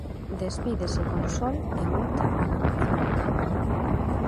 Despídese con sol e moita animación.